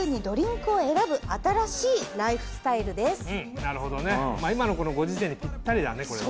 なるほどね今のこのご時世にピッタリだねこれね。